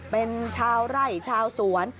เป็นชาวไร่ชาวสวน